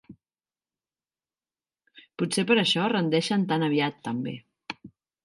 Potser per això es rendeixen tan aviat, també.